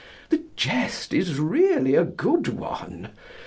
The jest is really a good one.